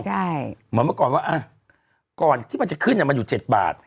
เหมาะมาก่อนว่าก่อนที่มันจะขึ้นตอยู่๗บาท